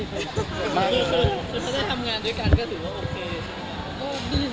คือถ้าได้ทำงานด้วยกันก็ถือว่าโอเคค่ะ